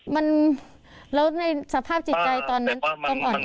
มันแล้วในสภาพจิตใจตอนนั้นต้องหม่อนแอนะ